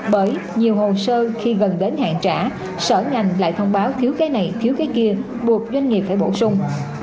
bởi nhiều hồ sơ khi gần đến hạn trả sở ngành lại thông báo thiếu cái này thiếu cái kia buộc doanh nghiệp phải bổ sung